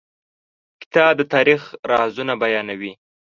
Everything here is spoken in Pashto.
کتاب د تاریخ رازونه بیانوي.